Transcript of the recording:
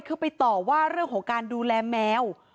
คือไปต่อว่าเรื่องของการดูแลแมว